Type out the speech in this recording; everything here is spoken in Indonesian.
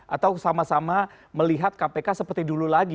atau sama sama melihat kpk seperti dulu lagi